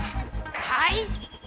はい！